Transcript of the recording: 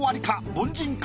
凡人か？